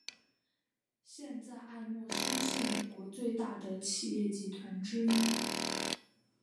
现在艾默生是美国最大的企业集团之一。